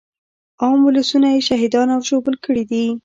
عام ولسونه يې شهیدان او ژوبل کړي دي.